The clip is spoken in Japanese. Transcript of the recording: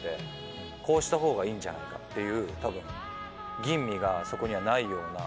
こうした方がいいんじゃないかっていう吟味がそこにはないような。